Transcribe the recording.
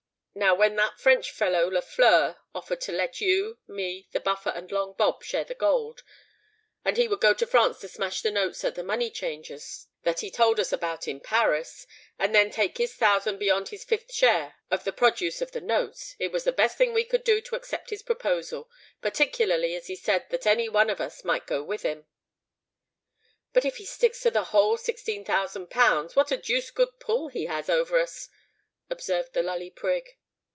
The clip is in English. Now when that French fellow Lafleur offered to let you, me, the Buffer, and Long Bob share the gold, and he would go to France to smash the notes at the money changer's that he told us about in Paris, and then take his thousand beyond his fifth share of the produce of the notes, it was the best thing we could do to accept his proposal—particularly as he said that any one of us might go with him." "But if he sticks to the whole sixteen thousand pounds, what a deuced good pull he has over us," observed the Lully Prig.